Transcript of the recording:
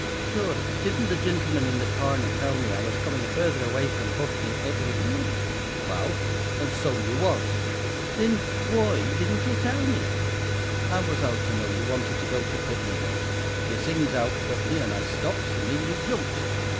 "Shure, didn't the gintleman in the corner tell me I was comin' further away from Putney ivery minit?" "Wal, and so yer was." "Thin whoy didn't you tell me?" "How was I to know yer wanted to go to Putney? Yer sings out Putney, and I stops and in yer jumps."